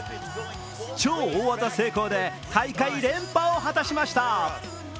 超大技成功で大会連覇を果たしました。